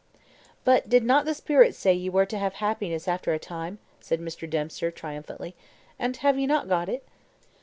"But did not the spirit say you were to have happiness after a time," said Mr. Dempster, triumphantly, "and have you not got it?"